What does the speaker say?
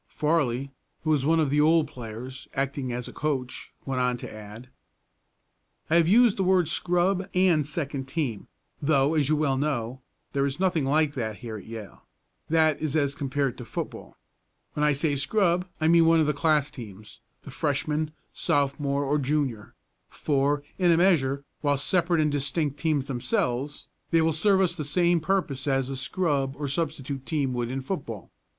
Farley, who was one of the old players, acting as a coach, went on to add: "I have used the word 'scrub' and 'second team,' though, as you well know, there is nothing like that here at Yale, that is as compared to football. When I say 'scrub' I mean one of the class teams, the Freshman, Sophomore or Junior, for, in a measure, while separate and distinct teams themselves, they will serve us the same purpose as a scrub or substitute team would in football.